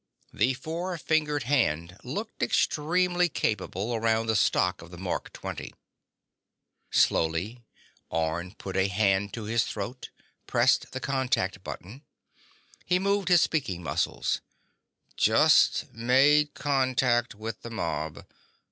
The four fingered hand looked extremely capable around the stock of the Mark XX. Slowly, Orne put a hand to his throat, pressed the contact button. He moved his speaking muscles: _"Just made contact with the mob.